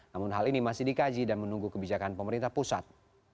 namun hal ini masih dikaji dan menunggu kebijakan pemerintah pusat